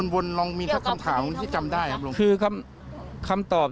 บนมีสักคำถามที่จำได้ครับ